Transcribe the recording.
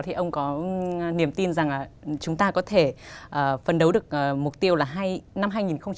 thì ông có niềm tin rằng là chúng ta có thể phân đấu được mục tiêu là năm hai nghìn hai mươi